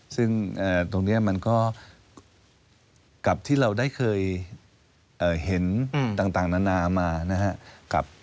ซึ่งตรงนี้มันก็กับที่เราได้เคยเห็นต่างนานามานะครับ